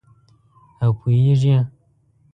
او پوهیږې